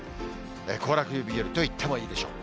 行楽日和といってもいいでしょう。